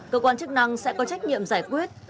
cơ quan chức năng sẽ có trách nhiệm giải quyết